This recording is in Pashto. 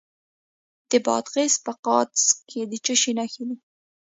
د بادغیس په قادس کې د څه شي نښې دي؟